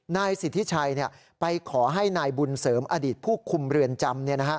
นายสิทธิชัยไปขอให้นายบุญเสริมอดีตผู้คุมเรือนจำ